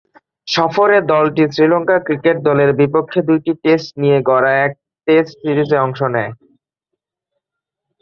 সফরে দলটি শ্রীলঙ্কা ক্রিকেট দলের বিপক্ষে দুইটি টেস্ট নিয়ে গড়া এক টেস্ট সিরিজে অংশ নেয়।